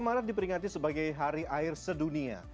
dua puluh maret diperingati sebagai hari air sedunia